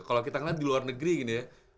kalau kita lihat di luar negeri gitu ya